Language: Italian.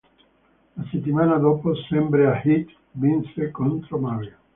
La settimana dopo, sempre a Heat, vince contro Maven.